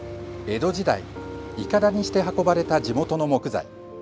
江戸時代、いかだにして運ばれた地元の木材。